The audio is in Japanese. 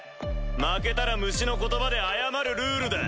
負けたら虫の言葉で謝るルールだ。